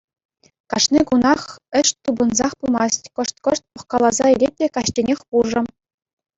Кашни кунах ĕç тупӑнсах пымасть, кӑшт-кӑшт пӑхкаласа илет те каҫченех пушӑ.